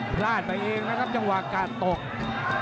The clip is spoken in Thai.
พลาดไปเองนะครับจังหวะกาดตก